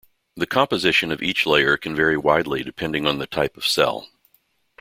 The composition of each layer can vary widely depending on the type of cell.